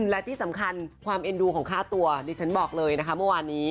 และที่สำคัญความเอ็นดูของค่าตัวดิฉันบอกเลยนะคะเมื่อวานนี้